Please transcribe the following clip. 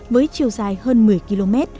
với chiều dài hơn một mươi km